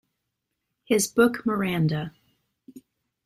His book Miranda.